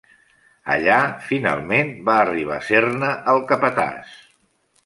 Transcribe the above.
Allà, finalment, va arribar a ser-ne el capatàs.